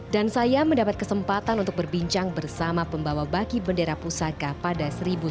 dan saya mendapat kesempatan untuk berbincang bersama pembawa baki bendera pusaka pada seribu sembilan ratus lima puluh lima